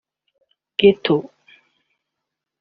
ghetto